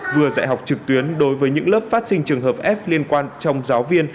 vừa dạy học trực tuyến đối với những lớp phát sinh trường hợp f liên quan trong giáo viên